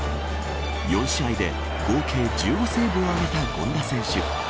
４試合で合計１５セーブを挙げた権田選手。